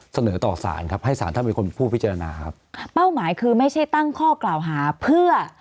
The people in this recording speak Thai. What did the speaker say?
เสนอต่อสารครับให้สารท่านเป็นคนผู้พิจารณาครับเป้าหมายคือไม่ใช่ตั้งข้อกล่าวหาเพื่อ